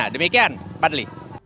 demikian pak dli